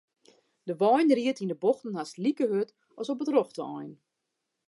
De wein ried yn 'e bochten hast like hurd as op it rjochte ein.